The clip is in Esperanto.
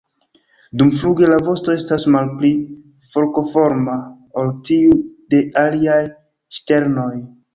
Dumfluge la vosto estas malpli forkoforma ol tiu de aliaj ŝternoj.